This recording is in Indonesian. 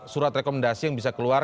surat rekomendasi yang bisa keluar